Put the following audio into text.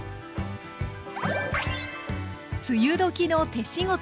梅雨時の「手仕事」。